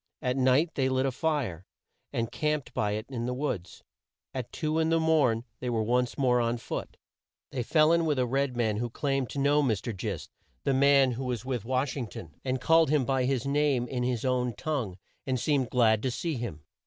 At night they lit a fire, and camped by it in the woods. At two in the morn, they were once more on foot. They fell in with a red man who claimed to know Mr. Gist, the man who was with Wash ing ton, and called him by his name in his own tongue and seemed glad to see him.